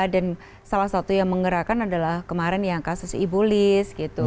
dan salah satu yang menggerakkan adalah kemarin yang kasus ibulis gitu